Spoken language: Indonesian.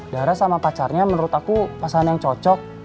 darah sama pacarnya menurut aku pasangan yang cocok